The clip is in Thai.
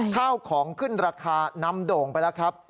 ข้าวของขึ้นราคานำโด่งไปแล้วครับ